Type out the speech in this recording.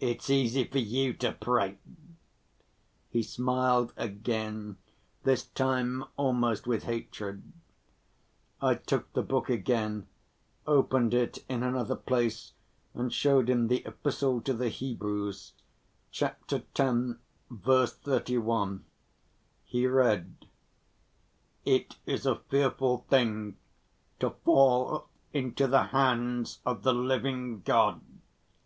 "It's easy for you to prate," he smiled again, this time almost with hatred. I took the book again, opened it in another place and showed him the Epistle to the Hebrews, chapter x. verse 31. He read: "It is a fearful thing to fall into the hands of the living God."